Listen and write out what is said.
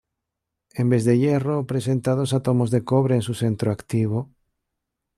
En vez de hierro presenta dos átomos de cobre en su centro activo.